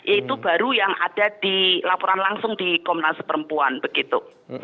itu baru yang ada di laporan langsung di komnas perempuan begitu